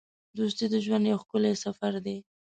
دوستي د ژوند یو ښکلی سفر دی.